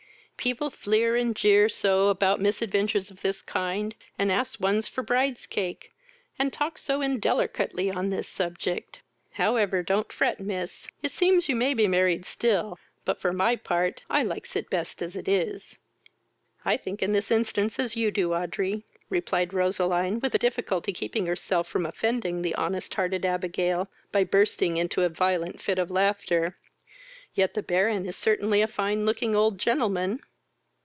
People fleer and jeer so about misventures of this kind, and asks one for bride's cake, and talks so indellorcatly on this subject: however, don't fret, miss; it seems you may be married still, but, for my part, I likes it best as it is." "I think in this instance as you do, Audrey, (replied Roseline, with difficulty keeping herself from offending the honest hearted Abigail, by bursting into a violent fit of laughter,) yet the Baron is certainly a fine looking old gentleman."